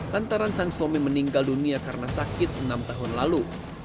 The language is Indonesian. lantaran sang suami meninggal dunia karena sakit enam tahun lalu